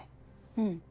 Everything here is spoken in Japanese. うん。